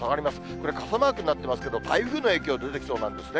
これ、傘マークになってますけど、台風の影響出てきそうなんですね。